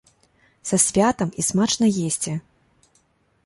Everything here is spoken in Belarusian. Са святам і смачна есці!!!